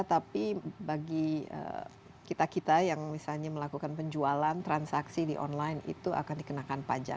tapi bagi kita kita yang misalnya melakukan penjualan transaksi di online itu akan dikenakan pajak